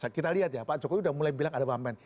kita lihat ya pak jokowi udah mulai bilang ada paham kan